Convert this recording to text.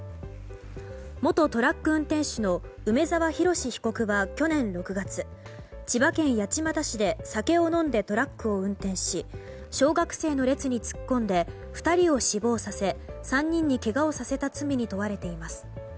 元トラック運転手の梅沢洋被告は去年６月千葉県八街市で酒を飲んでトラックを運転し小学生の列に突っ込んで２人を死亡させ３人にけがをさせた罪に問われています。